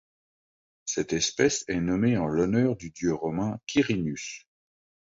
Cette espèce est nommée en l'honneur du dieu romain Quirinus.